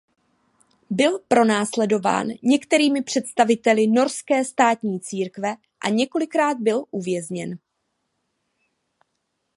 Byl pronásledován některými představiteli norské státní církve a několikrát byl uvězněn.